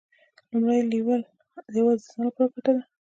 لومړی لیول یوازې د ځان لپاره ګټه ده.